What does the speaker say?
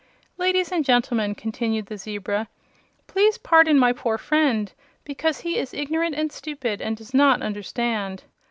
"Ladies and gentlemen," continued the zebra, "please pardon my poor friend, because he is ignorant and stupid, and does not understand.